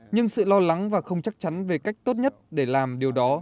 nhưng sự lo lắng và không chắc chắn về cách tốt nhất để làm điều đó